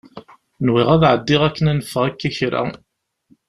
Nwiɣ ad ɛeddiɣ akken ad neffeɣ akka kra.